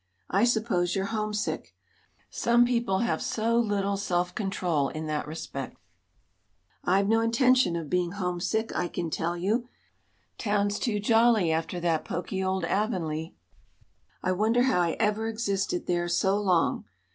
"I suppose you're homesick some people have so little self control in that respect. I've no intention of being homesick, I can tell you. Town's too jolly after that poky old Avonlea. I wonder how I ever existed there so long.